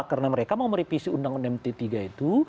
karena mereka mau merevisi undang undang mtt tiga itu